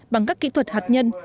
bằng các kỹ thuật hạt nhân